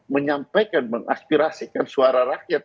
menyampaikan mengaspirasikan suara rakyat